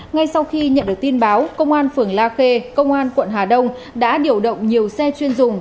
ngay sau khi nhận được tin báo công an phường la khê công an quận hà đông đã điều động nhiều xe chuyên dùng